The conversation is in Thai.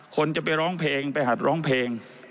คนจะไปร้องเพลงไปหัดร้องเพลง